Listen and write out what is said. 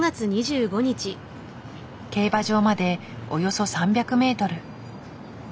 競馬場までおよそ３００メートル。